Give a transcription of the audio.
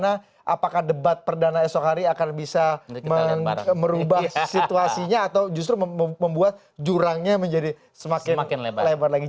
apakah debat perdana esok hari akan bisa merubah situasinya atau justru membuat jurangnya menjadi semakin lebar lagi